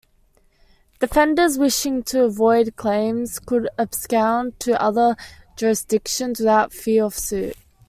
Defendants wishing to avoid claims could abscond to other jurisdictions without fear of suit.